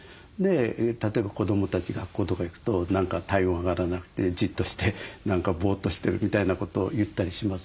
例えば子どもたち学校とか行くと何か体温上がらなくてじっとして何かボーッとしてるみたいなことを言ったりしますよね。